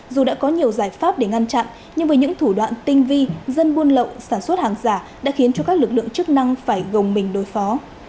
dù đã có nhiều giải pháp để ngăn chặn nhưng với những thủ đoạn tinh vi dân buôn lậu sản xuất hàng giả đã khiến cho các lực lượng chức năng phải gồng mình đối phó